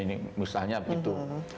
ini misalnya gitu